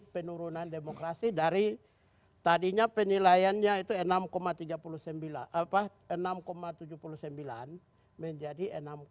penurunan demokrasi dari tadinya penilaiannya itu enam tujuh puluh sembilan menjadi enam tujuh